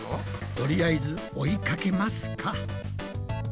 とりあえず追いかけますか。